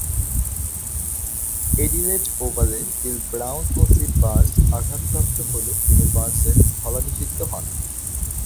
Adelaide ওভালে Bill Brown ও Sid Barnes আঘাতপ্রাপ্ত হলে তিনি বার্নসের স্থলাভিষিক্ত হন।